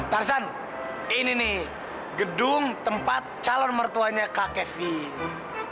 tarsan ini nih gedung tempat calon mertuanya kak kevin